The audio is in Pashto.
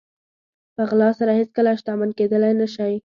په غلا سره هېڅکله شتمن کېدلی نه شئ.